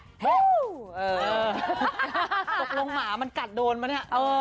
นะเฮียตอบลงหมามันกัดโดนแม่มะเนี่ย